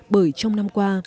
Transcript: bởi trong năm qua